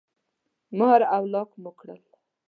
مهر او لاک مو کړل.